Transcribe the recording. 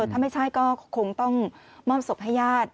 ถ้าไม่ใช่ก็คงต้องมอบศพให้ญาติ